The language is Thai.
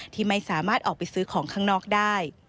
ที่ไม่สามารถออกไปซื้อของข้างนอกได้